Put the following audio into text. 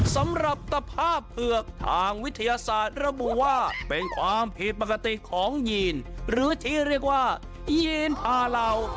สำหรับตภาพเผือกทางวิทยาศาสตร์ระบุว่าเป็นความผิดปกติของยีนหรือที่เรียกว่ายีนพาเหล่า